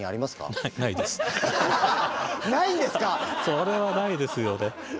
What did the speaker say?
それはないですよね。